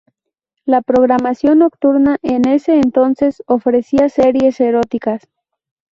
La programación nocturna en ese entonces ofrecía series eróticas.